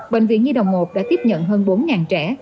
bệnh viện nhi đồng một đã tiếp nhận hơn bốn trẻ